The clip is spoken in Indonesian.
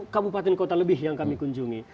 lima puluh kabupaten kota lebih yang kami kunjungi